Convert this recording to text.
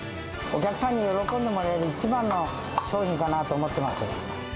お客さんに喜んでもらえる一番の商品かなと思ってます。